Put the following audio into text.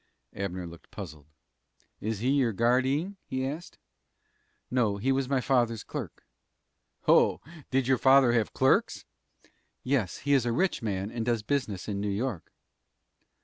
Abner looked puzzled. "Is he your guardeen?" he asked. "No; he was my father's clerk." "Ho! Did your father have clerks?" "Yes; he is a rich man and does business in New York."